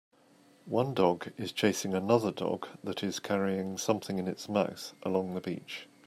One dog is chasing another dog that is carrying something in its mouth along the beach.